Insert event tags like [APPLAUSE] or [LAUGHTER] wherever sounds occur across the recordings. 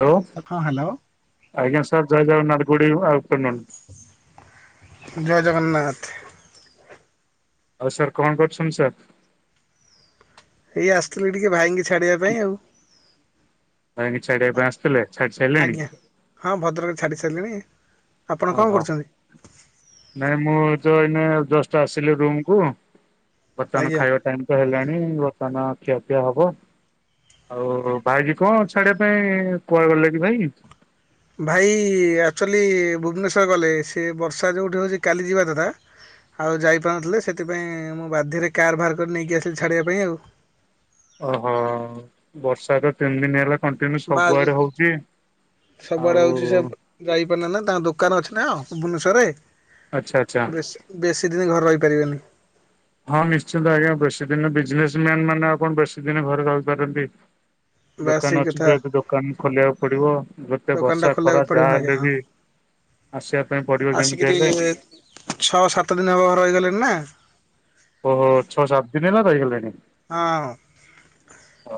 Hello ହଁ hello. ଆଜ୍ଞା sir, ଜୟ Jagannath, good eve afternoon. ଜୟ ଜଗନ୍ନାଥ। ଆଉ ସାର୍ କଣ କରୁଛନ୍ତି ସାର୍? ଏଇ ଆସିଥିଲି ଟିକେ ଭାଇଙ୍କି ଛାଡିବା ପାଇଁ ଆଉ। ଭାଇଙ୍କି ଛାଡିବା ପାଇଁ ଆସିଥିଲେ, ଛାଡି ସାରିଲେଣି? ଆଜ୍ଞା ହଁ ଭଦ୍ରକରେ ଛାଡି ସାରିଲିଣି। ଆପଣ ଓ କଣ ହୋ କରୁଛନ୍ତି? ନାଇଁ ମୁଁ ତ ଏଇନେ ଜଷ୍ଟ ଆସିଲି ରୁମ୍ କୁ। ବର୍ତ୍ତମାନ ଆଜ୍ଞା। ଖାଇବା ଟାଇମ ତ ହେଲାଣି, ବର୍ତ୍ତମାନ ଖିଆପିଆ ହବ। ଆଉ ଭାଇ କି କଣ ଛାଡିବା ପାଇଁ, କୁଆଡେ ଗଲେ କି ଭାଇ? ଭାଇ ଆକ୍ଚୁଆଲି ଭୁବନେଶ୍ୱର ଗଲେ। ସେ ବର୍ଷା ଯୋଉଠି ହଉଛି କାଲି ଯିବା କଥା ଆଉ ଯାଇପାରୁନଥିଲେ, ସେଥିପାଇଁ ମୁଁ ବାଧ୍ୟରେ କାର୍ ବାହାର କରି ନେଇକି ଆସିଲି ଛାଡ଼ିବା ପାଇଁ ଆଉ। ଓ ହୋ ବର୍ଷା ତ ତିନି ଦିନ ହେଲା କଣ୍ଟିନ୍ୟୁ ବାସ ସବୁଆଡେ ହଉଛି। ଆଉ ଯାଇପାରୁନେ ନା ତାଙ୍କ ଦୋକାନ ଅଛି ନା, ଆଚ୍ଛା ଆଚ୍ଛା। ଭୁବନେଶ୍ଵରରେ ବେଶ ବେଶୀ ଦିନ ଘରେ ରହିପାରିବେନି। ହଁ ନିଶ୍ଚିନ୍ତ ଆଜ୍ଞା ବେଶୀ ଦିନ ବିଜନେସ ମ୍ୟାନ ମାନେ, ଆଉ କଣ ବେଶୀ ଦିନ ଘରେ ରହିପାରନ୍ତି? ବାସ୍ ସେଇ ଦୋକାନ ଅଛି କଥା ଯେହେତୁ, ଦୋକାନ ଖୋଲିବାକୁ ପଡିବ। ଯେତେ ଦୋକାନ ଟା ବର୍ଷା ଖୋଲିବାକୁ ଖରା ପଡିବ ଯାହା ଆଜ୍ଞା ହେଲେ ହଁ। ବି ଆସିଆ ପାଇଁ ପଡିବ ଯେମିତି ଆସିକିରି ହେଲେ। ଛଅ ସାତ ଦିନ ହବ ଘରେ ରହିଗଲେଣିି ନା। ଓ ହୋ ଛଅ ସାତ ଦିନ ହେଲା ରହିଗଲେଣି। ହଁ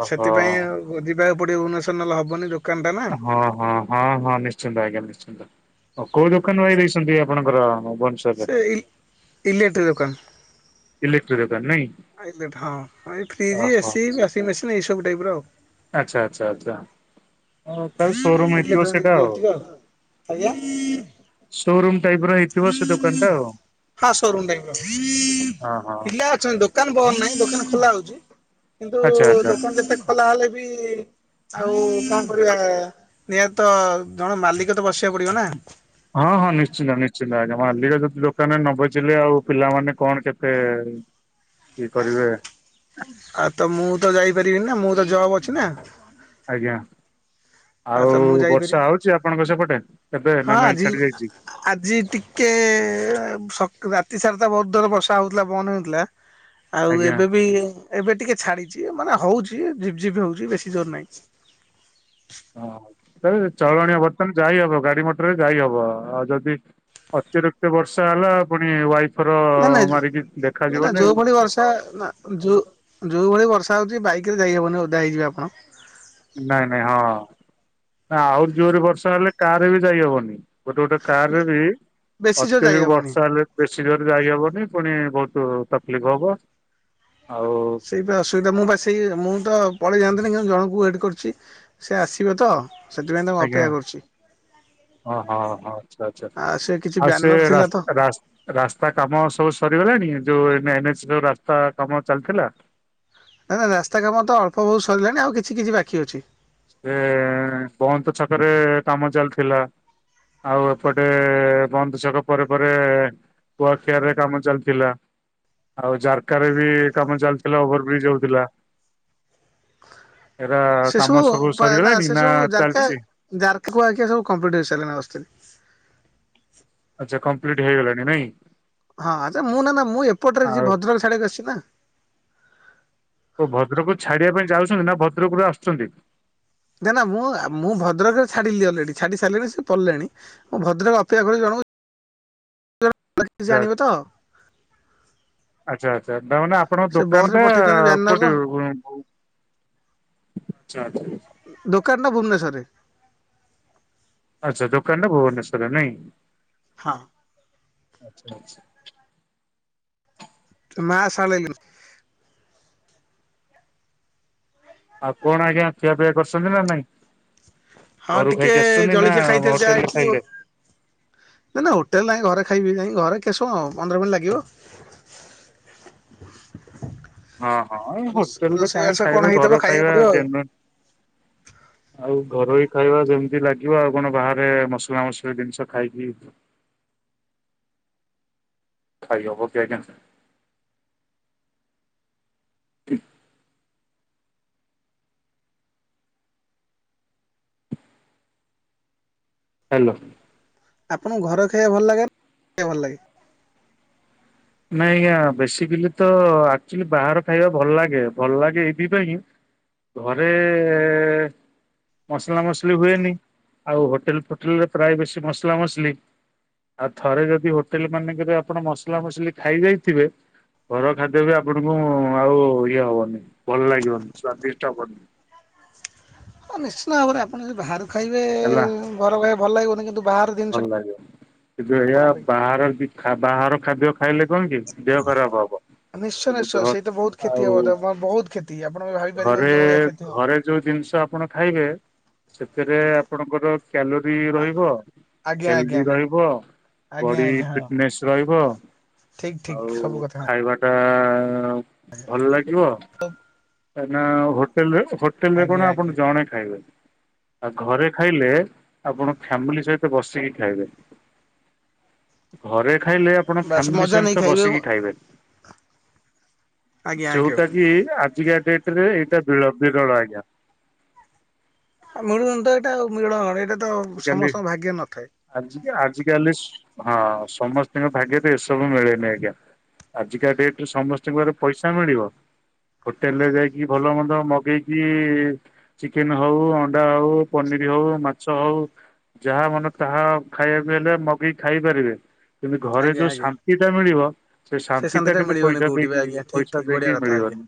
ଓହୋ ସେଥିପାଇଁ ଯିବାକୁ ପଡିବ ଭୁବନେଶ୍ୱର, ନହଲେ ହବନି ଦୋ ହଁ- ହଁ। ହଁ- ହଁ ନିଶ୍ଚିନ୍ତ ଆଜ୍ଞା ନିଶ୍ଚିନ୍ତ। ଆଉ କୋଉ ଦୋକାନ ଭାଇ ଦେଇଛନ୍ତି, ଆପଣଙ୍କର ଭୁବନେଶ୍ୱର ସେଇ ଇଲେକ୍ଟ୍ରି ଦୋକାନ। ଇଲେକ୍ଟ୍ରି ଦୋକାନ ନାଇଁ। ଆ ହଁ ଏଇ ଫ୍ରିଜ୍, ଓହୋ ଏସି, ୱାସିଂ ମେସିନ୍, ଏଇ ସବୁ ଟାଇପର ଆଉ। ଆଚ୍ଛା ଆଚ୍ଛା ଆଚ୍ଛା। ଅ ତାହେଲେ ସୋରୁମ [INAUDIBLE] ହେଇଥିବ ସେଇଟା ଆଉ। ଏତିକ ଆଉ ଆଜ୍ଞା। ସୋରୁମ୍ ଟାଇପର ହେଇ ହଁ ସୋରୁମ ଟାଇପର। ହଁ ହଁ ପିଲା ଅଛନ୍ତି ଦୋକାନ ବନ୍ଦ ନାହିଁ, ଦୋକାନ ଖୋଲା ହଉଛି। କିନ୍ତୁ ଆଚ୍ଛା ଆଚ୍ଛା। ଦୋକାନ ଯେତେ ଖୋଲା ହେଲେ ବି ଆଉ କଣ କରିବା, ନିହାତି ତ ଜଣେ ମାଲିକ ବସିବାକୁ ପଡିବ ନା। ହଁ- ହଁ ନିଶ୍ଚିନ୍ତ ନିଶ୍ଚିନ୍ତ ଆଜ୍ଞା, ମାଲିକ ଯଦି ଦୋକାନ ନ ବସିଲେ ଆଉ ପିଲାମାନେ କଣ କେତେ କି କରିବେ। ଆଉ ତ ମୁଁ ତ ଯାଇପାରିବିନି ନା, ମୁଁ ତ ଜବ ଅଛି ନା। ଆଜ୍ଞା। ଆଉ ତ ମୁଁ ବର୍ଷା ଯାଇପାରିବି ହଉଛି ଆପଣଙ୍କ ସେପଟେ, ଏବେ ହଁ ନା ନାଇଁ ଆଜି ଛାଡି ଯାଇଚି? ଆଜି ଟିକେ ସକ୍ ରାତି ସାରା ତ, ବହୁତ ଜୋର ବର୍ଷା ହଉଥିଲା ପବନ ହଉଥିଲା। [INAUDIBLE] ଆଉ ଏବେ ବି ଏବେ ଟିକେ ଛାଡିଛି, ମାନେ ହଉଛି ଝିପ ଝିପ ହଉଛି ବେଶୀ ଜୋର ନାହିଁ,। ହଁ ଚଳଣିଆ ବର୍ତ୍ତମାନ ଯାଇ ହବ ଗାଡି ମଟରରେ ଯାଇ ହବ ଆଉ ଯଦି ଅତିରିକ୍ତ ବର୍ଷା ହେଲା ପୁଣି ୱାଇଫ- ମାନେ ଜେ ମାନେ ଯୋଉ ଭଳି ବର୍ଷା ନା- ଯୋଉ ଯୋଉ ଭଳି ବର୍ଷା ହଉଛି ବାଇକ ରେ ଯାଇହବନି ଓଦା ହେଇଯିବେ ଆପଣ। ନାଇଁ ନାଇଁ ହଁ, ଆହୁରି ନା ଜୋରେ ବର୍ଷା ହେଲେ କାରେ ବି ଯାଇହବନି। ଗୋଟେ ଗୋଟେ କାରରେ ବି ବେଶୀ ଜୋର ଅତ୍ୟଧିକ ଯାଇହବନି। ବର୍ଷା ହେଲେ ବେଶୀ ଜୋର ଯାଇହବନି ପୁଣି ବହୁତ ତକଲିଫ ହବ। ଆଉ ସେଇ ବି ଅସୁବିଧା ମୁଁ ବାସ ସେ ମୁଁ ତ ପଳେଇ ଯାଆନ୍ତିନି କିନ୍ତ ଜଣଙ୍କୁ ୱେଟ୍ କରୁଛି। ସେ ଆସିବେ ତ। ସେଥିପାଇଁ ତାଙ୍କୁ ଅପେକ୍ଷା କରୁଚି। ହଁ ହଁ ହଁ ଆଚ୍ଛା ଆଚ୍ଛା ଆଉ ସେ କିଛି ଆଉ ସେ ବ୍ୟାନର ଥିଲା ରାସ୍ ତ ରାସ ରାସ୍ତା କାମ ସବୁ ସରିଗଲାଣି ଯୋଉ ଏନ୍ ଏନ୍ ଏଚ ସବୁ ରାସ୍ତା କାମ ଚାଲିଥିଲା। ନା ନା ରାସ୍ତା କାମ ତ ଅଳ୍ପ ବହୁତ ସରିଲାଣି ଆଉ କିଛି କିଛି ବାକି ଅଛି। ସେ ବହନ୍ତ ଛକରେ କାମ ଚାଲିଥିଲା। ଆଉ ଏପଟେ ବନ୍ଧୁ ଛକ ପରେ ପରେ କୁଆଖିଆରରେ କାମ ଚାଲିଥିଲା। ଆଉ ଜାରକାରେ ବି କାମ ଚାଲିଥିଲା। ଓଭରବ୍ରିଜ୍ ହଉଥିଲା। [INAUDIBLE] ଏରା କାମ ସବୁ ସରିଗଲାଣି ନା ଚାଲିଚି। ଯାରଖୁ ଆଜ୍ଞା ସବୁ କମ୍ପିଟେସନରେ ଆସୁଥିବେ। ଆଚ୍ଛା କମ୍ପ୍ଲିଟ ହେଇଲାଣି ନାଇଁ। ହଁ ଆଚ୍ଛା ମୁଁ ନା ନା ମୁଁ ଏପଟରେ ଆଉ ଅଛି ଭଦ୍ରକ ଛାଡ଼ିବା କୁ ଆସିଛି ନା। ତ ଭଦ୍ରକୁ ଛାଡିବା ପାଇଁ ଯାଉଛନ୍ତି ନା ଭଦ୍ରକ ରୁ ଆସୁଛନ୍ତି। ନା ନା ମୁଁ ମୁଁ ଭଦ୍ରକରେ ଛାଡ଼ିଲି ଅଲରେଡି ଛାଡ଼ି ସାରିଲିଣି ସେ ପଡ଼ିଲେଣି। ମୁଁ ଭଦ୍ରକ ଅପେକ୍ଷା କରିଚି ଜଣକୁ ଜଣ କୁ କରି ସେ ଆଣିବ ତ [UNINTELLIGIBLE] ଆଚ୍ଛା ଆଚ୍ଛା ତା ମାନେ ଆପଣଙ୍କ ସେ ବସ ଦୋକାନ ରେ ଟା ପଠେଇଛନ୍ତି ବ୍ୟାନର କୋଉଠି ଦୋକାନ ଟା ଭୁବନେଶ୍ୱରରେ। ଆଚ୍ଛା ଦୋକାନ ଟା ଭୁବନେଶ୍ୱରରେ ନାଇଁ। ହଁ। ଆଛା ଆଛା [INAUDIBLE] ନାଁ ଶଳେଇ [INAUDIBLE] ଆଉ କଣ ଆଜ୍ଞା ଖିଆପିଆ କରିଛନ୍ତି ନା ନାଇଁ? ହଁ ଘରୁ ଟିକେ ଖାଇକି ଆସିଛନ୍ତି ନା ଜଳଖିଆ ଖାଇଥିଲେ ହୋଟେଲ ଯାହା ରେ ଆଇଥିଲି। ଖାଇଲେ? ନାଇଁ ନା ହୋଟେଲ ନାହିଁ ଘରେ ଖାଇବି ନାହିଁ ଘରେ କେଶ ହ ପନ୍ଦର ମିନଟ୍ ଲାଗିବ। [INAUDIBLE] ହଁ ହଁ ହୋଟେଲରେ ରୋଷେଇ କାହିଁ ବାସ କଣ ଖାଇବେ ହେଇଥିବ ଘର ଖାଇବାକୁ ଖାଇବା ପଡିବ ଆଉ। ଯେନ୍ୱେନ। ଆଉ ଘରୋଇ ଖାଇବା ଯେମିତି ଲାଗିବ ଆଉ କଣ ବାହାରେ ମସଲା ମସଲି ଜିନିଷ ଖାଇକିଇ। ଖାଇହବ କି ଆଜ୍ଞା। ଠିକ- ହ୍ୟାଲୋ ଆପଣଙ୍କୁ ଘର ଖାଇବା ଭଲ ଲାଗେ। [UNINTELLIGIBLE] ନା ଖାଇବା ଭଲ ଲାଗେ। ନାଇ ଆଜ୍ଞା ବେସିକାଲି ତ ଆକ୍ଚୁଲି ବାହାର ଖାଇବା ଭଲ ଲାଗେ। ଭଲ ଲାଗେ ଏଇଥି ପାଇଁ ଘରେ ମସଲା ମସଲି ହୁଏନି ଆଉ ହୋଟେଲ ଫୋଟେଲରେ ପ୍ରାୟ ବେଶୀ ମସଲା ମସଲି। ଆଉ ଥରେ ଯଦି ହୋଟେଲ ମାନଙ୍କରେ ଆପଣ ମସଲା ମସଲି ଖାଇ ଯାଇଥିବେ ଘର ଖାଦ୍ୟ ବି ଆପଣଙ୍କୁ ଆଉ ଇଏ ହବନି ଭଲ ଲାଗିବନି ସ୍ଵାଦିଷ୍ଟ ହବନି। ହଁ ନିଶ୍ଚିନ୍ତ ଭାବରେ ଆପଣ ଯଦି ବାହାରୁ ଖାଇବେ ହେଲା ଘର ଖାଇବା ଭଲ ଲାଗିବନି। କିନ୍ତୁ ବାହାର ଭଲ ଜିନିଷଟା ଲାଗେ କିନ୍ତୁ ଏହା ଆପଣଙ୍କ ପାଇଁ ବାହାର ବାହାର ଖାଦ୍ୟ ଖାଇଲେ କଣ କି ଦେହ ଖରାପ ହବ। କିନ୍ତୁ ଆଉ- ବହୁତ୍ କ୍ଷେତି। ଆପଣ ଭାବିପାରିବେନି, ଯଉ ଭଳିଆ କ୍ଷେତି ହବ। ଯଉ ଦିନ୍‌ଷ ଆପଣ ଖାଇବେ, ସେଥିରେ ଆପଣଙ୍କର କ୍ୟାଲୋରି ରହିବ। ଆଜ୍ଞା ହେଲ୍ଦି ଆଜ୍ଞା ରହିବ, ଆଜ୍ଞା ବଡ଼ି ଆଜ୍ଞା ହଁ ଫିଟ୍ନେସ୍ ରହିବ। ଠିକ ଠିକ ଆଉ, ସବୁ କଥା ଖାଇବା ଟା ଭଲ୍ ଲାଗିବ। ହୋଟେଲ୍ ହୋଟେଲ୍‌ ରେ ଆଜ୍ଞା କ'ଣ ଆପଣ ଆଜ୍ଞା। ଜଣେ ଖାଇବେ। ଆ ଘରେ ଖାଇଲେ, ଆପଣ ଫ୍ୟାମିଲି ସହିତ ବସିକି ଖାଇବେ। ଘରେ ଖାଇଲେ ଆପଣ ବାସ୍ ଫ୍ୟାମିଲି ମଜା ନେଇ ସହିତ ବସିକି ଖାଇବେ, ଆଜ୍ଞା ଆଜ୍ଞା। ଯଉଟା କି ଆଜିକା ଡ଼େଟ୍ ରେ ଏଇଟା ବି ବିରଳ ଆଜ୍ଞା। ଆଉ ମିଳୁନି ତ ଏଇଟା ଆଉ ଏଇଟା ତ ଆଜିକାଲି ସମସ୍ତଙ୍କ ଭାଗ୍ୟ ନଥାଏ। ଆଜି ଆଜିକାଲି ହଁ, ସମସ୍ତଙ୍କ ଭାଗ୍ୟରେ ଏସବୁ ମିଳେନି ଆଜ୍ଞା। ଆଜିକା ଡ଼େଟ୍ ରେ ସମସ୍ତି---ଘରେ ପଇସା ମିଳିବ। ହୋଟେଲ୍ ରେ ଯାଇକି ଭଲ ମନ୍ଦ ମଗେଇକି ଚିକେନ୍‌ ହଉ ଅଣ୍ଡା ହଉ ପନିର୍ ହଉ ମା ହଉ ଯାହା ମନ ତାହା ଖାଇବା ହେଲେ, ମଗେଇ କି ଖାଇ ପାରିବେ। କିନ୍ତୁ ଘରେ ଆଜ୍ଞା ଯଉ ଆଜ୍ଞା। ଶାନ୍ତି ଟା ମିଳିବ, ସେ ଶାନ୍ତି ଟା ଶାନ୍ତିଟା କିନ୍ତୁ ମିଳିବନି ପଇସା କୋଉଠି ବି ଦେଇକି ଆଜ୍ଞା ଠିକ ପଇସା ଠିକ ବଢିଆ ଦେଇକି କଥା ଆଜ୍ଞା। ମିଳିବନି।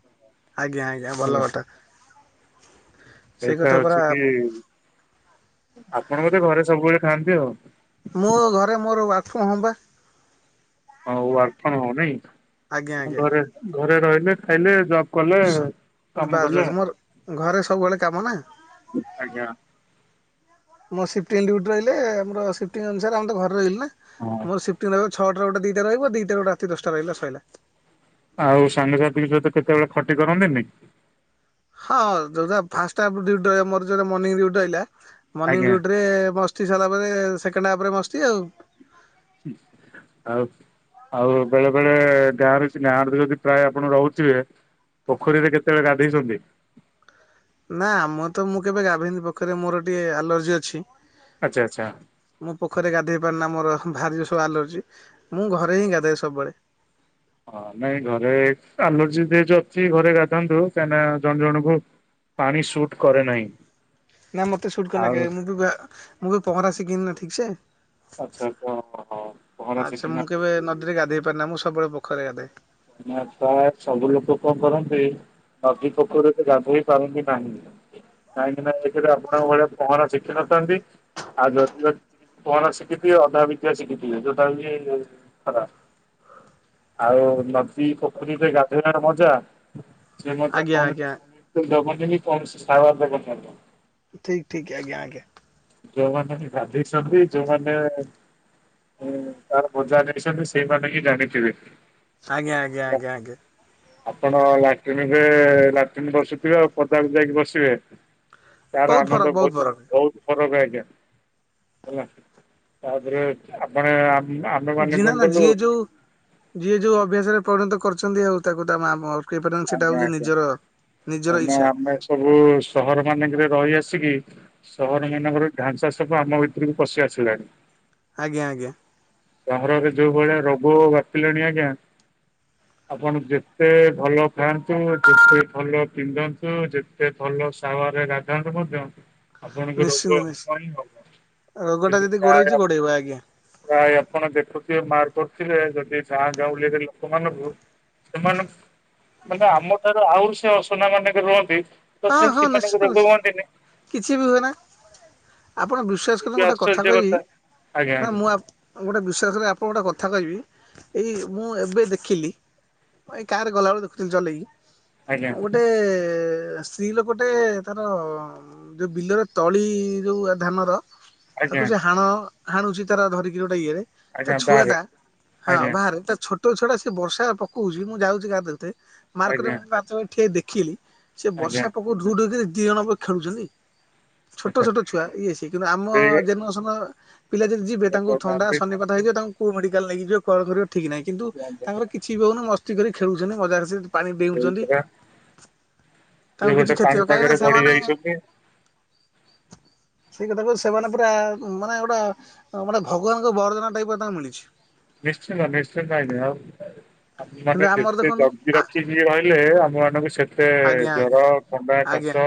ଆଜ୍ଞା ଆଜ୍ଞା, ହେଲା ଭଲ କ ପରା [INAUDIBLE] ଆପଣ ଘରେ ସବୁବେଳେ ଖାଆନ୍ତି ଆଉ। ମୋ ଘରେ ମୋର ୱାକ୍---ହୋମ୍ ପା। ଆଜ୍ଞା ଆଜ୍ଞା [INAUDIBLE] କାମ ବାସ୍ କଲେ ବାସ୍ ମୋର୍ ଘରେ ସବୁବଳେ କାମ ନା। ଆଜ୍ଞା। ଆମ--ସିପ୍ଟିଙ୍ଗ୍ ଡ୍ୟୁଟି ରହିଲେ, ଆମର ସିପ୍ଟିଙ୍ଗ୍ ଅନୁସାରେ ଆ-ତ ଘରେ ରହିଲୁ ନା। ହଁ! ମୋ- ସିପ୍ଟିଙ୍ଗ୍ ରହିବ ଛଅ ଟା ଗୋଟେ ଦିଇଟା ରହିବ, ଦିଇଟା ରୁ ରାତି ଦଶଟା ରହିଲା ସଇଲା। ଆଉ ସାଙ୍ଗସାଥିଙ୍କ ସହିତ କେତେବେଳେ ଖଟି କରନ୍ତିନି? ହଁ! ଫାର୍ଷ୍ଟହାଫ୍ ରୁ ଡ୍ୟୁଟି ରହିବ, ମୋର ଯେବେ ମର୍ନିଙ୍ଗ୍ ଡ୍ୟୁଟି ରହିଲା। ମର୍ନିଙ୍ଗ୍ ଆଜ୍ଞା ଡ୍ୟୁଟି ରେ ମୋ ମସ୍ତି ପରେ ସେକେଣ୍ଡେ ହାପ୍ ରେ ମସ୍ତି ଆଉ। [INAUDIBLE] ଆଉ ବେଳେ ବେଳେ ଗାଁରେ ସିନା ପ୍ରାୟେ ଆପଣ ରହୁଥିବେ। ପୋଖରୀ ରେ କେତେବେଳେ ଗାଧୋଇଚନ୍ତି? ନା, ଆମ--ତ ମୁଁ କେବେ ଗାଧେଇନି ପୋଖରୀ ରେ ମୋର ଟିକେ ଆଲର୍ଜି ଅଛି। ଆଚ୍ଛା ଆଚ୍ଛା। ମୁଁ ପୋଖୀରୀ ରେ ଗାଧଇ ପାରେନା ମୋର ଭାରି ଆଲର୍ଜି, ମୁଁ ଘରେ ହିଁ ଗାଧାଏ ସବୁବଳେ। ହଁ! ନାଇଁ ଘରେ ଆଲର୍ଜି ଅଛି ଘରେ ଗାଧନ୍ତୁ। କାହିଁନା ଜଣ୍ ଜଣଙ୍କୁ ପାଣି ସୁଟ୍ କରେ ନାହିଁ। ନା ମତେ ସୁଟ୍ ଆଉ ମୁଁ ବି---ମୁଁ ବି ପହଁରା ଶିଖିନି ନା ଠିକ୍ ସେ। ଆଚ୍ଛା ମୁଁ [INAUDIBLE] କେବେ ନଦୀରେ ଗାଧଇ ପାରେନା, ମୁଁ ସବୁବଳେ ପୋଖରୀ ରେ ଗାଧାଏ। [INAUDIBLE] ନଦୀ, ପୋଖରୀ ରେ ଗାଧେଇ ପାରନ୍ତି ନାହିଁ। କାହିଁକି ନା ଏକେ ରେ ଆପଣଙ୍କ ଭଳିଆ ପହଁରା ଶିଖିି ନଥାନ୍ତି। ଆଉ ଯଦି ପହଁରା ଶିକିଥିବେ, ଅଧା ବିଦ୍ୟା ଶିକିଥିବେ ଯଉଟ କି ଖରା ଆଉ ନଦୀ, ପୋଖରୀ ରେ ଗାଧୋଇବାର ମଜା ସେ ମଧ୍ୟ [INAUDIBLE] ଆଜ୍ଞା ଆଜ୍ଞା। ଠିକ୍ ଠିକ୍, ଆଜ୍ଞା ଆଜ୍ଞା। ଯଉମାନେ ଗାଧୋଛନ୍ତି ଯଉମାନେ ତା'ର ମଜା ନେଇଛନ୍ତି, ସେଇମାନେ ହିଁ ଜାଣିଥିବେ। ଆଜ୍ଞା ଆଜ୍ଞା ଆଜ୍ଞା ଆଜ୍ଞା! ଆପଣ ଲାଟିନ୍ ରେ ଲାଟିନ୍ ବସୁଥିବେ ଆଉ ପଦାକୁ ଯାଇକି ବସିବେ। ତାର ବହୁତ ଫରକ ଆନନ୍ଦ ବହୁତ ବହୁତ୍ ଫରକ। ବହୁତ୍ ଫରକ ଆଜ୍ଞା ହେଲା ତାପରେ ଆପଣ ଆମେ ମାନେ ଝିଣା କଣ ନା କଲୁ? ଯିଏ ଯୋଉ ଯିଏ ଯୋଉ ଅଭ୍ୟାସ ରେ ପରିଣତ କରୁଚନ୍ତି ଆଉ ତାକୁ ତା [UNINTELLIGIBLE] କହିପାରିବାନି ସେଇଟା ଆଜ୍ଞା ହଉଛି ଆଜ୍ଞା ନିଜର ନିଜର କାହିଁକିନା ଇଚ୍ଛା। ଆମେ ସବୁ ସହର ମାନଙ୍କରେ ରହିଆସିକି ସହର ମାନଙ୍କର ଢାଞ୍ଚା ସବୁ ଆମ ଭିତରକୁ ପଶି ଆସିଲାଣି। ଆଜ୍ଞା ଆଜ୍ଞା। ସହରରେ ଯୋଉ ଭଳିଆ ରୋଗ ବ୍ୟାପିଲାଣି ଆଜ୍ଞା। ଆପଣ ଯେତେ ଭଲ ଖାନ୍ତୁ ଯେତେ ଭଲ ପିନ୍ଧନ୍ତୁ ଯେତେ ଭଲ ସାୱାର ରେ ଗାଧାନ୍ତୁ ମଧ୍ୟ ଆପଣ ଙ୍କ ନିଶ୍ଚିନ୍ତ ରୋଗ ନିଶ୍ଚିନ୍ତ ହବ ହିଁ ହବ ରୋଗଟା କିନ୍ତୁ ଯଦି ଗୋଡେଇଛି ପ୍ରାୟ ଗୋଡେଇବ ଆଜ୍ଞା। ପ୍ରାୟ ଆପଣ ଦେଖୁଥିବେ ମାର୍କ କରୁଥିବେ ଯଦି ଗାଁ ଗାଉଁଳିରେ ଲୋକମାନ ଙ୍କୁ [UNINTELLIGIBLE] ମାନେ ଆମ ଠାରୁ ଆହୁରି ସେ ଅସନା ମାନେ ରୁହନ୍ତି ହଁ ତଥାପି ହଁ ନିଶ୍ଚିତ ସେମାନଙ୍କୁ ରୋଗ ନିଶ୍ଚିତ ହୁଅନ୍ତିନି? କିଛି ବି ହୁଏନା ଆପଣ ଏ ବିଶ୍ୱାସ କରନ୍ତୁ ବି ଗୋଟେ କଥା ଆଶ୍ଚର୍ଯ୍ୟ କହିବି ଆଜ୍ଞା ନା ମୁଁ ଆ ମୁଁ ଗୋଟେ ବିଶ୍ୱାସରେ ଆପଣ ଗୋଟେ କଥା କହିବି ଏଇ ମୁଁ ଏବେ ଦେଖିଲି। ଏଇ କାରରେ ଗଲାବେଳେ ଦେଖୁଥିଲି ଆଜ୍ଞା ଆଜ୍ଞା ଚଲେଇକି ଗୋଟେ ସ୍ତ୍ରୀ ଲୋକଟେ ତାର ଯୋଉ ବିଲର [UNINTELLIGIBLE] ଯୋଉ ଧାନର ଆଜ୍ଞା ତାକୁ ସେ ହାଣ ହାଣୁଛି ତାର ଧରିକିରି ଗୋଟେ ଇଏ ରେ ତା ଆଜ୍ଞା ଛୁଆ ବାହାରେ ଟା ହଁ ଆଜ୍ଞା ବାହାରେ ତା ଛୋଟ ତୋ ଛଡା ସେ ବର୍ଷା ପକଉଛି ମୁଁ ଯାଉଛି ଗାଧେଇତେ ଆଜ୍ଞା ମାର୍କରେ ମୁଁ ପାଞ୍ଚ ମିନିଟ୍ ଠିଆ ହେଇ ଦେଖିଲି। ସେ ଆଜ୍ଞା ବର୍ଷା ପକଉଚି ଢୁ ଢୁ [UNINTELLIGIBLE] ଦି ଜଣ ପୁରା ଖେଳୁଛନ୍ତି।। ଛୋଟ ଛୋଟ ଛୁଆ ଇଏ ସିଏ କିନ୍ତୁ ଆମ ସେଇ ଜେନେରସନ୍ ର ପିଲା ଯଦି ଯିବେ ତାଙ୍କୁ ଥଣ୍ଡା କହୁନାହାନ୍ତି ଶନିପା ହେଇଯିବ ତାଙ୍କୁ କୋଉ ମେଡ଼ିକାଲ ନେଇକି ଯିବ କଣ କରିବ ଠିକ୍ ନାହିଁ କିନ୍ତୁ ତାଙ୍କର କି ସେଇ କିଛି ବି ହଉନି ମସ୍ତି କରି ଖେଳୁଚନ୍ତି ମଜା ରେ ସେ ପାଣି ପିଉଛନ୍ତି। ଏ ଗୋଟେ କ୍ଷତି ହବ କାହିଁକି ନା ପାଣିପାଗରେ ବଢି଼ ସେମାନେ ଯାଇଛନ୍ତି। ସେଇ କଥା କହୁଚି ସେମାନେ ପୁରା ମାନେ ଗୋଟେ ଗୋଟେ ଭଗବାନଙ୍କ ବରଦନା ଟାଇପ୍ ତାଙ୍କୁ ମିଳିଛି। ନିଶ୍ଚିନ୍ତ ନିଶ୍ଚିତ ଆଜ୍ଞା ଆଉ କିନ୍ତୁ ମାନେ ଆମର ଦେଖନ୍ତୁ [UNINTELLIGIBLE] ଆ ରଖିବି ରହିଲେ ଆପଣ ମାନଙ୍କୁ ସେ ଏତେ ଆଜ୍ଞା ଜର, ଆଜ୍ଞା ଥଣ୍ଡା, ଆଜ୍ଞା କାଶ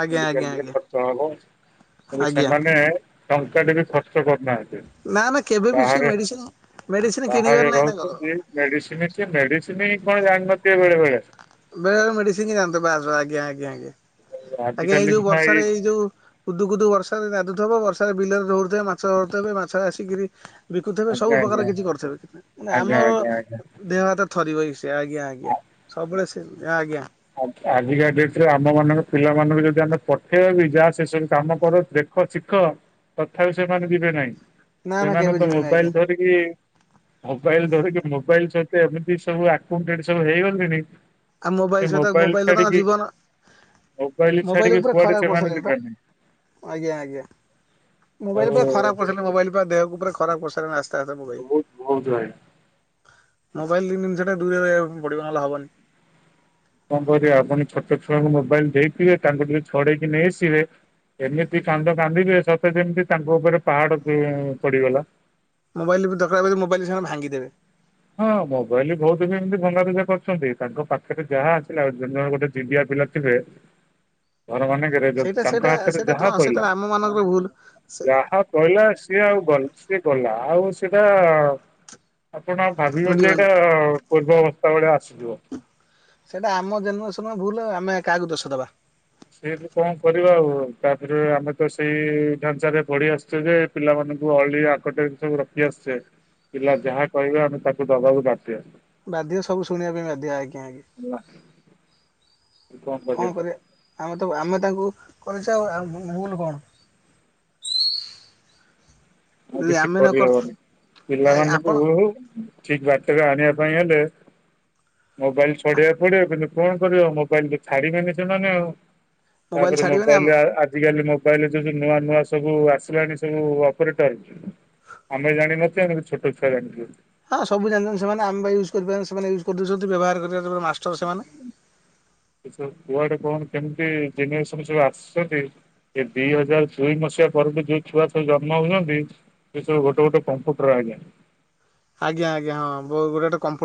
ଆଜ୍ଞା ଆଜ୍ଞା [UNINTELLIGIBLE] ଆଜ୍ଞା ହବ ତ ଆଜ୍ଞା ସେମାନେ ଟଙ୍କାଟେ ବି ଖର୍ଚ୍ଚ କରିନାହାନ୍ତି। ନା ନା କେବେବି ସେ ମେଡ଼ିସିନ୍ ମେଡ଼ିସିନ୍ କିଣିବାର ନାହିଁ ତାଙ୍କର। ମେଡ଼ିସିନ୍ ସିଏ ମେଡ଼ିସିନ୍ କଣ ଜାଣିନଥିବେ [UNINTELLIGIBLE] ବେଳେ ବେଳେ ମେଡ଼ିସିନ୍ [UNINTELLIGIBLE] ଆଜ୍ଞା ଆଜ୍ଞା ଆଜ୍ଞା ଆଜ୍ଞା ଏଇ ଆଜିକାଲି ଯୋଉ ସିନା ବର୍ଷାରେ ଏଇ ଯୋଉ କୁଦୁ କୁଦୁ ବର୍ଷାରେ ନାଦୁଥବ ବର୍ଷାରେ ବିଲରେ ଦୌଡ଼ିଥିବେ ମାଛ ଧରୁଥିବେ ମାଛ ଆସିକିରି ବିକୁଥିବେ ସବୁ ଆଜ୍ଞା ପ୍ରକାର ଆଜ୍ଞା କିଛି କରିଥିବେ ମାନେ ଆଜ୍ଞା ଆମର ଆଜ୍ଞା ଆଜ୍ଞା ଦେହ ହାତ ଥରିବ ବି ସେଇଆ ଆଜ୍ଞା ଆଜ୍ଞା ସବୁବେଳେ ସେ ଆଜ୍ଞା। ଆଜିକା ଡେଟ୍ ରେ ଆମ ମାନଙ୍କ ପିଲାମାନଙ୍କୁ ଯଦି ଆମେ ପଠେଇବା ବି ଯାଆ ସେ ସବୁ କାମ କର ଦେଖ ସିଖ ତଥାପି ସେମାନେ ଯିବେ ନାହିଁ ନା ନା ସେମାନେ କେବେ ତ ଯିବେନି ମୋବାଇଲ୍ ଆଜ୍ଞା ଧରିକି କି ମୋବାଇଲ୍ ଧରିକି ମୋବାଇଲ୍ ସହିତ ଏମିତି ସବୁ ଆକୁଟେଡ୍ ସବୁ ହେଇଗଲେଣି ଆଉ ସେ ମୋବାଇଲ୍ ସହିତ ମୋବାଇଲ ମୋବାଇଲ୍ ତ ତାଙ୍କ ଛାଡିକି ଜୀବନ। ମୋବାଇଲ ମୋବାଇଲ୍ ଛାଡିକି କୁ‌ ପୁରା କୁଆଡେ ଖରାପ୍ ସେମାନେ କରିସାରିଲେଣି ଯିବେନି ପା ଆଜ୍ଞା ଆଜ୍ଞା। ଆଉ ମୋବାଇଲ୍ ପୁରା ଖରାପ କରିସାରିଲାଣି ମୋବାଇଲ୍ ପୁରା ଦେହକୁ ପୁରା ଖରାପ କରିସାରିଲାଣି ଆସ୍ତେ ଆସ୍ତେ ମୋବାଇଲ୍। ବହୁତ ବହୁତ ଭାଇ ମୋବାଇଲ୍ [UNINTELLIGIBLE] ସେଟା ଦୂରରେ ରହିବାକୁ ପଡ଼ିବ ନହେଲେ ହବନି। କଣ କରିବା ଆପଣ ଛୋଟ ଛୁଆଙ୍କୁ ମୋବାଇଲ୍ ଦେଇଥିବେ ତାଙ୍କୁ ଟିକେ ଛଡ଼େଇ କି ନେଇଆସିବେ ଏମିତି କାନ୍ଦ କାନ୍ଦିବେ ସତେ ଯେମିତି ତାଙ୍କ ଉପରେ ପାହାଡ଼ ଉଁ ପଡ଼ିଗଲା। ମୋବାଇଲ୍ ବି ଦରକାର୍ ପଡ଼ିଲେ ମୋବାଇଲ୍ ସେମାନେ ଭାଙ୍ଗିଦେବେ। ହଁ ମୋବାଇଲ୍ ବହୁତ୍ ବି ଏମିତି ଭଙ୍ଗା ରୁଜା କରୁଛନ୍ତି ତାଙ୍କ ପାଖରେ ଯାହା ଆସିଲା ଯେତେବେଳେ ଗୋଟେ ଯିଦିଆ ପିଲା ବର ମାନେ [UNINTELLIGIBLE] ସେଇଟା ସେଇଟା ତାଙ୍କ ହାତରେ ସେଇଟା ତ ଯାହା ସେଇଟା ପହିଲା ଆମ ମାନଙ୍କର ଭୁଲ ଯାହା କହିଲା ସିଏ ଆଉ ସିଏ ଗଲା ଆଉ ସେଇଟା ଆପଣ ଭାବିଛନ୍ତି ମିଳିବନି ଯେ ଏଇଟା ପୂର୍ବ ଅବସ୍ଥା ଭେଳିଆ ଆସିଯିବ। ସେଇଟା ଆମ ଜେନେରେସନ ଭୁଲ ଆମେ କାହାକୁ ଦୋଷ ଦବା। ସେଏବେ କଣ କରିବା ଆଉ ତାପରେ ଆମେ ତ ସେଇ ଢାଞ୍ଚାରେ ପଢି ଆସିୁଛୁ ଯେ। ପିଲାମାନାନଙ୍କୁ ଅଳି ଆକଟ [UNINTELLIGIBLE] ଏ ସବୁ ରଖି ଆସଛେ ପିଲା ଯାହା କହିବେ ଆମେ ତାକୁ ଦବାକୁ ବାଧ୍ୟ। ବାଧ୍ୟ ସବୁ ଶୁଣିବା ପାଇଁ ବାଧ୍ୟ ଆଜ୍ଞା ହେଲା ଆଜ୍ଞା। କଣ କରିବା। ଆମେ ତ ଆମେ ତାଙ୍କୁ କରିଛେ ଆଉ ଭୁଲ କଣ? [INAUDIBLE] ଆଉ କିଛି ଆମେ ନ କରି କରିହବନି। ଆପଣ ପିଲାମାନଙ୍କୁ ଠିକ ବାଟ୍ୟାରେ ଆଣିବା ପାଇଁ ହେଲେ- ମୋବାଇଲ ଛଡେଇକୁ ପଡିବ, କିନ୍ତୁ କଣ କରିବ ମୋବାଇଲ ଛାଡ଼ିବେନି ସେମାନେ ଆଉ। ତାପରେ ଛାଡିବେନି ଆମ ମୋବାଇଲ ଆଜିକାଲି ମୋବାଇଲରେ ଯୋଉୁ ନୂଆ ନୂଆ ସବୁ ଆସିଲାଣି ସବୁ। [UNINTELLIGIBLE] ଆମେ ଜାଣିନଥିବୁ କିନ୍ତୁ ଛୋଟ ଛୁଆ ଜାଣିଥିବ। ହଁ ସବୁ ଜାଣିଛନ୍ତି ସେମାନେ ଆମ୍ବା ୟୁଜ୍ କରିପାରନ ସେମାନେ ୟୁଜ କରିଦଉଛନ୍ତି ବ୍ୟବହାର କରିବା ଯେରେ ମାଷ୍ଟର ସେମାନେ। କୁଆଡେ କଣ କେମିତି ଜେନେରେସନ ସବୁ ଆସୁଛନ୍ତି? ଏ ଦି ହଜାର ଦୁଇ ମସିହା ପରେଠୁ ଯୋଉ ଛୁଆ ଜନ୍ମ ହଉଛନ୍ତି- ସେ ସବୁ ଗୋଟେ ଗୋଟ କମ୍ପୁଟର ଆଜ୍ଞା। ଆଜ୍ଞା ଆଜ୍ଞା ହ ବ [UNINTELLIGIBLE] ଗୋଟ ଗଟେମ୍ପ